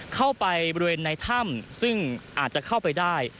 เข้าไปบริเวณในถ้ำซึ่งอาจจะเข้าไปได้